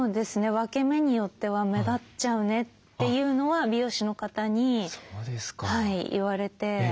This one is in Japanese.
分け目によっては目立っちゃうねっていうのは美容師の方に言われて。